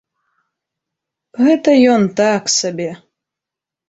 Гэта ён так сабе.